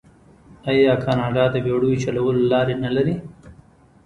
آیا کاناډا د بیړیو چلولو لارې نلري؟